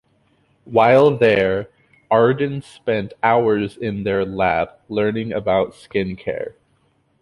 While there, Arden spent hours in their lab, learning about skincare.